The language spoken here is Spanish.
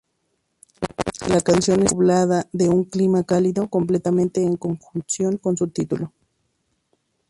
La canción está poblada de un clima cálido, completamente en conjunción con su título.